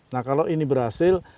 nah kalau ini berhasil